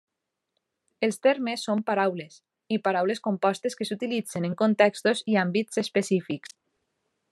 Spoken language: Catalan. Els termes són paraules i paraules compostes que s'utilitzen en contextos i àmbits específics.